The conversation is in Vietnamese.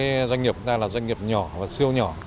hầu hết các doanh nghiệp chúng ta là doanh nghiệp nhỏ và siêu nhỏ